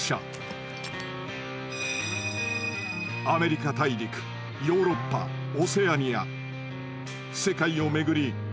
アメリカ大陸ヨーロッパオセアニア世界を巡り